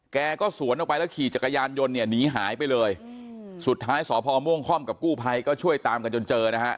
แกก็สวนออกไปแล้วขี่จักรยานยนต์เนี่ยหนีหายไปเลยสุดท้ายสพม่วงค่อมกับกู้ภัยก็ช่วยตามกันจนเจอนะฮะ